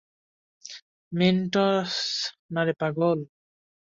মেন্টস নারে পাগল।